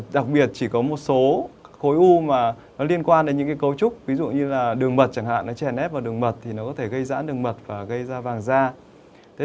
đặc biệt chỉ có một số khối u mà nó liên quan đến những cấu trúc ví dụ như là đường mật chẳng hạn nó chèn ép vào đường mật thì nó có thể gây giã đường mật và gây ra vàng da